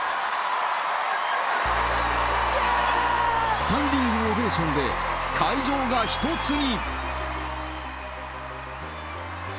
スタンディングオベーションで会場が一つに。